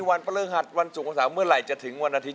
วันเปลื้องหัดวันสุขภาษาเมื่อไหร่จะถึงวันอาทิตย์